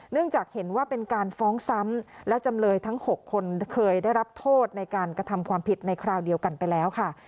จากเห็นว่าเป็นการฟ้องซ้ำและจำเลยทั้ง๖คนเคยได้รับโทษในการกระทำความผิดในคราวเดียวกันไปแล้วค่ะ